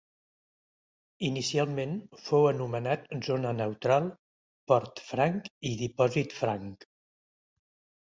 Inicialment fou anomenat Zona Neutral, Port Franc i Dipòsit Franc.